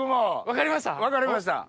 分かりました！